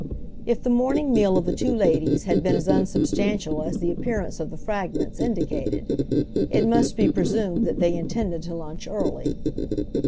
If the morning meal of the two ladies had been as unsubstantial as the appearance of the fragments indicated, it must be presumed that they intended to lunch early.